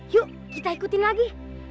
yuk kita ikutin lagi